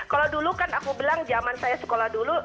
kalau dulu kan aku bilang zaman saya sekolah dulu